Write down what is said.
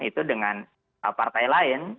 itu dengan partai lain